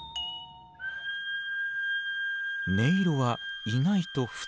音色は意外と普通。